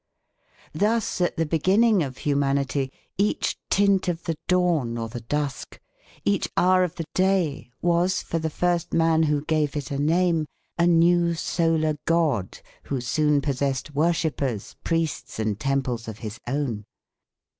Thus at the beginning of humanity each tint of the dawn or the dusk, each hour of the day was, for the first man who gave it a name, a new solar god who soon possessed worshippers, priests and temples of his own.